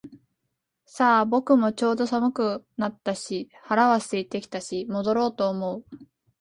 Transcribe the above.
さあ、僕もちょうど寒くはなったし腹は空いてきたし戻ろうと思う